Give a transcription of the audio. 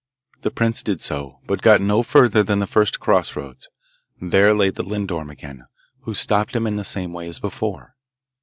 The prince did so, but got no further than the first cross roads; there lay the lindorm again, who stopped him in the same way as before.